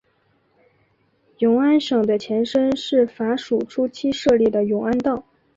永安省的前身是法属初期设立的永安道。